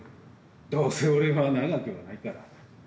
どうせ俺は長くはないから。